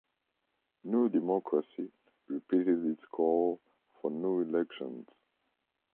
New Democracy repeated its call for new elections.